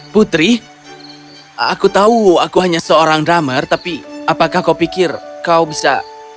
putri aku tahu aku hanya seorang drummer tapi apakah kau pikir kau bisa